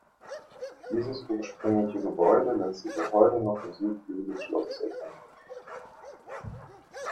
Dieses ursprüngliche Gebäude lässt sich auch heute noch im Südflügel des Schlosses erkennen.